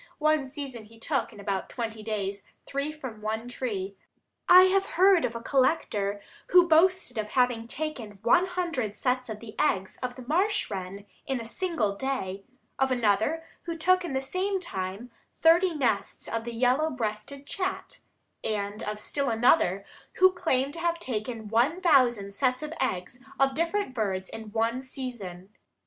One season he took, in about twenty days, three from one tree. I have heard of a collector who boasted of having taken one hundred sets of the eggs of the marsh wren, in a single day; of another, who took in the same time, thirty nests of the yellow breasted chat; and of still another, who claimed to have taken one thousand sets of eggs of different birds in one season.